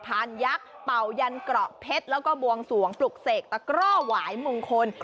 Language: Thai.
พานยักษ์เป่ายันเกราะเพชรแล้วก็บวงสวงปลุกเสกตะกร่อหวายมงคล